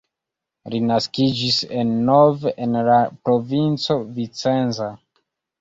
Li naskiĝis en Nove en la provinco Vicenza.